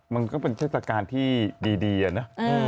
มันก็เป็นเชษฐการณ์ที่ดีนะ